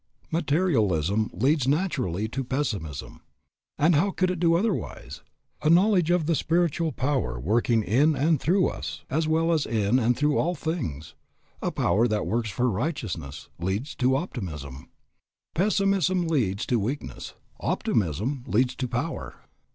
Materialism leads naturally to pessimism. And how could it do otherwise? A knowledge of the Spiritual Power working in and through us as well as in and through all things, a power that works for righteousness, leads to optimism. Pessimism leads to weakness. Optimism leads to power.